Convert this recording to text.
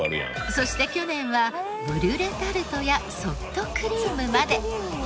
そして去年はブリュレタルトやソフトクリームまで。